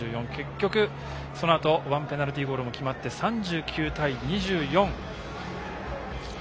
結局、そのあと１ペナルティーゴールも決まって３９対２４。